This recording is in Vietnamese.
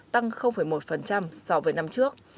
tăng một so với năm trước